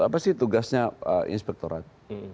apa sih tugasnya inspektorat